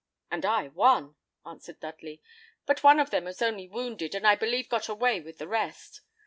"And I one," answered Dudley; "but one of them was only wounded, and I believe got away with the rest.